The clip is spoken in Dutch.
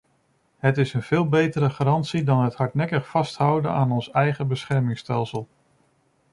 Het is een veel betere garantie dan het hardnekkig vasthouden aan ons eigen beschermingsstelsel.